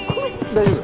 大丈夫？